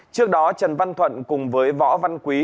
trước đó trần văn thuận cùng với võ văn quý